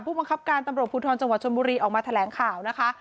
บังคับการตำรวจภูทรจังหวัดชนบุรีออกมาแถลงข่าวนะคะ